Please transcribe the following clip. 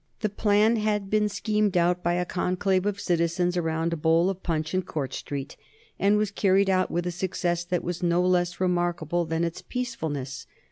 The plan had been schemed out by a conclave of citizens around a bowl of punch in Court Street, and was carried out with a success that was no less remarkable than its peacefulness.